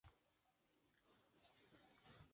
پرے کاراں آ سُہب داں بیگہ دزگٹّ اَت